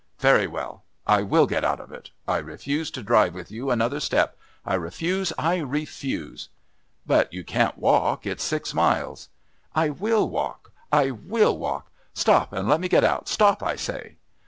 "Very well. I will get out of it. I refuse to drive with you another step. I refuse. I refuse." "But you can't walk. It's six miles." "I will walk! I will walk! Stop and let me get out! Stop, I say!"